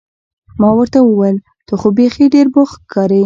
ما ورته وویل: ته خو بیخي ډېر بوخت ښکارې.